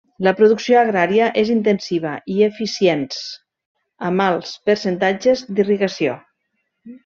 La producció agrària és intensiva i eficients, amb alts percentatges d'irrigació.